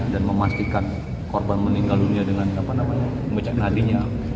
dan memastikan korban meninggal dunia dengan mecak hadinya